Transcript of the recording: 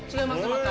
また。